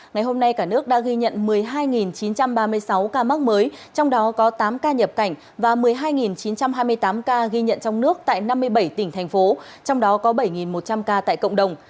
ngày hôm nay cả nước đã ghi nhận một mươi hai chín trăm ba mươi sáu ca mắc mới trong đó có tám ca nhập cảnh và một mươi hai chín trăm hai mươi tám ca ghi nhận trong nước tại năm mươi bảy tỉnh thành phố trong đó có bảy một trăm linh ca tại cộng đồng